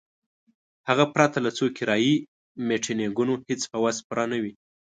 هغه پرته له څو کرایي میټینګونو هیڅ په وس پوره نه وي.